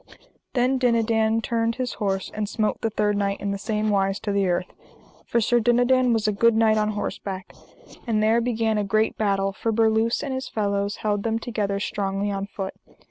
Then Dinadan turned his horse, and smote the third knight in the same wise to the earth, for Sir Dinadan was a good knight on horseback; and there began a great battle, for Berluse and his fellows held them together strongly on foot.